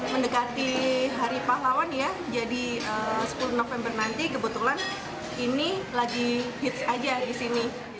mendekati hari pahlawan ya jadi sepuluh november nanti kebetulan ini lagi hits aja di sini